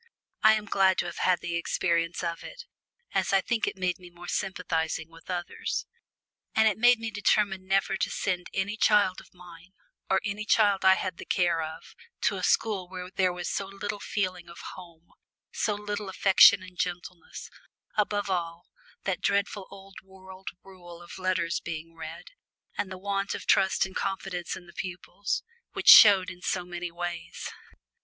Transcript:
I am glad to have had the experience of it, as I think it made me more sympathising with others. And it made me determine never to send any child of mine, or any child I had the care of, to a school where there was so little feeling of home, so little affection and gentleness above all, that dreadful old world rule of letters being read, and the want of trust and confidence in the pupils, which showed in so many ways.